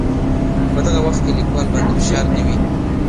په دغه وخت کې لیکوال باندې فشار نه وي.